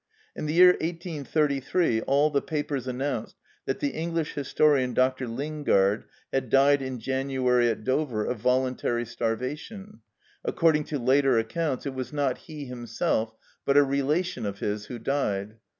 In the year 1833 all the papers announced that the English historian, Dr. Lingard, had died in January at Dover of voluntary starvation; according to later accounts, it was not he himself, but a relation of his who died.